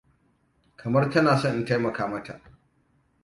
Kamar tana son in taimaka mata.